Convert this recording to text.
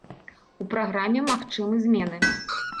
У праграме магчымы змены.